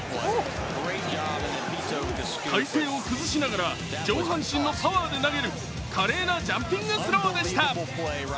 体勢を崩しながら上半身のパワーで投げる華麗なジャンピングスローでした。